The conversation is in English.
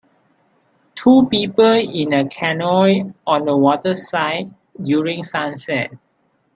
Two people in a canoe on the waterside during sunset.